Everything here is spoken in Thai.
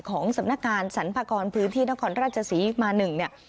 ของสำนักงานสรรพากรพื้นที่นครราชศรีมา๑เนี่ย